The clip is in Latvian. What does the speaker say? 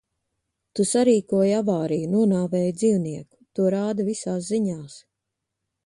Tu sarīkoji avāriju, nonāvēji dzīvnieku. To rāda visās ziņās.